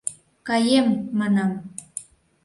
— Каем, манам.